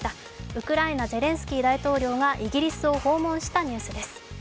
ウクライナゼレンスキー大統領がイギリスを訪問したニュースです。